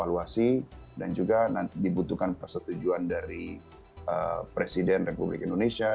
lalu kemudian diteruskan ke setnek untuk dievaluasi dan juga nanti dibutuhkan persetujuan dari presiden republik indonesia